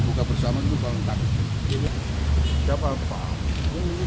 buka bersama itu sumpah saya sendiri paling takut kalau puasa dihukum